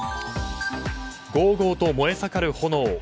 ごうごうと燃え盛る炎。